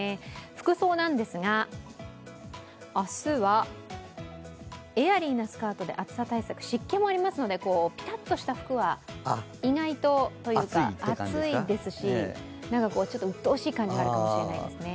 服装なんですが、明日はエアリーなスカートで暑さ対策、湿気もありますのでピタッとした服は意外とというか、暑いですし、なんかうっとうしい感覚になるかもしれないですね。